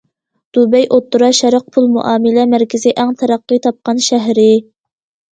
دۇبەي ئوتتۇرا شەرق پۇل مۇئامىلە مەركىزى، ئەڭ تەرەققىي تاپقان شەھىرى.